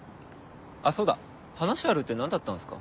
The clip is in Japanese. あっそうだ話あるって何だったんすか？